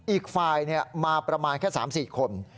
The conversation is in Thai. อีกฟายนี้มาประมาณแค่๓๔คน